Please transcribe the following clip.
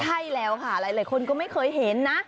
ใช่แล้วค่ะหลายคนก็ไม่เคยเห็นนะ